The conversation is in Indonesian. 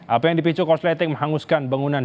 apa yang dipicu korsleting menghanguskan bangunan